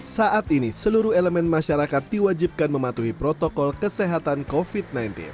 saat ini seluruh elemen masyarakat diwajibkan mematuhi protokol kesehatan covid sembilan belas